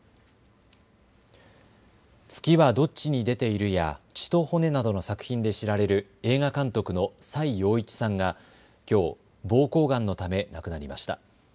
月はどっちに出ているや血と骨などの作品で知られる映画監督の崔洋一さんがきょう、ぼうこうがんのため亡くなりました。